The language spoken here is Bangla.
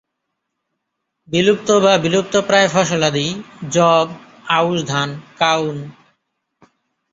বিলুপ্ত বা বিলুপ্তপ্রায় ফসলাদি যব, আউশ ধান, কাউন।